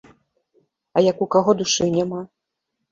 А як у каго душы няма?